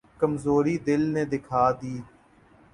کمزوری دل نے دکھا دی۔